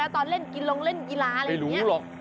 อะไรที่แบบตอนเล่นกินรองเล่นกีฬาอะไรอย่างนี้